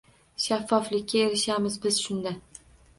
Shaffoflikka erishamiz biz shunda.